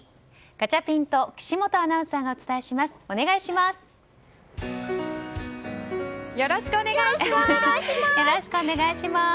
ガチャピンと岸本アナウンサーがよろしくお願いします！